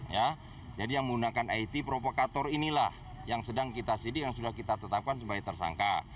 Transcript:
ya jadi yang menggunakan it provokator inilah yang sedang kita sidik yang sudah kita tetapkan sebagai tersangka